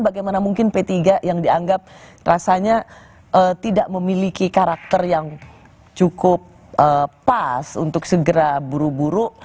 bagaimana mungkin p tiga yang dianggap rasanya tidak memiliki karakter yang cukup pas untuk segera buru buru